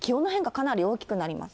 かなり大きくなります。